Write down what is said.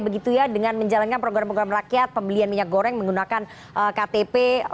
begitu ya dengan menjalankan program program rakyat pembelian minyak goreng menggunakan ktp